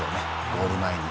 ゴール前に。